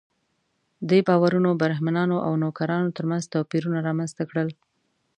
دې باورونو برهمنانو او نوکرانو تر منځ توپیرونه رامنځته کړل.